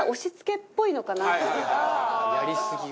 やりすぎは。